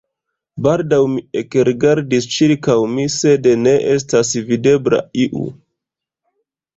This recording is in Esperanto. Baldaŭ mi ekrigardis ĉirkaŭ mi, sed ne estas videbla iu.